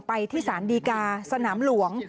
ไปที่สารดีกาสนามหลวง